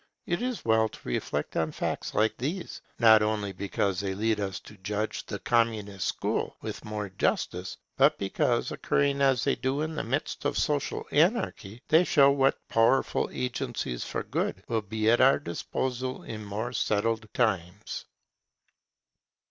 It is well to reflect on facts like these, not only because they lead us to judge the Communist school with more justice, but because, occurring as they do in the midst of social anarchy, they show what powerful agencies for good will be at our disposal in more settled times.